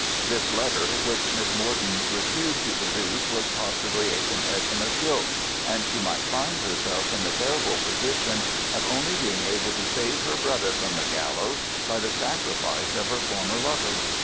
This letter which Miss Morton refused to produce was possibly a confession of guilt, and she might find herself in the terrible position of only being able to save her brother from the gallows by the sacrifice of her former lover.